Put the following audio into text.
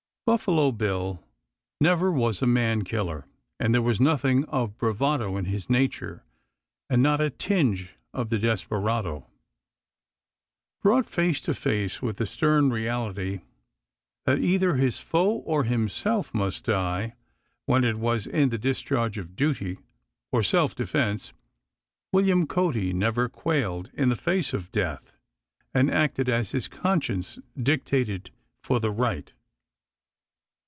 Buffalo Bill never was a man killer, and there was nothing of bravado in his nature and not a tinge of the desperado. Brought face to face with the stern reality that either his foe or himself must die, when it was in the discharge of duty or self defense William Cody never quailed in the face of death, and acted, as his conscience dictated, for the right.